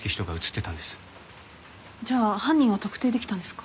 じゃあ犯人を特定できたんですか？